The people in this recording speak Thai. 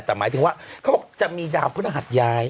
แต่หมายถึงว่าเขาบอกจะมีดาวพฤหัสย้าย